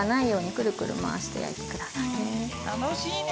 楽しいね。